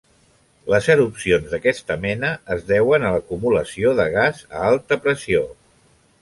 Les erupcions d'aquesta mena es deuen a l'acumulació de gas a alta pressió.